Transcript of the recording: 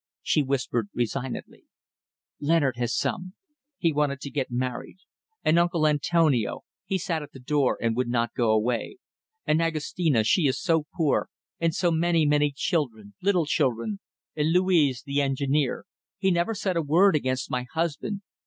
She whispered resignedly "Leonard had some. He wanted to get married. And uncle Antonio; he sat at the door and would not go away. And Aghostina she is so poor ... and so many, many children little children. And Luiz the engineer. He never said a word against my husband.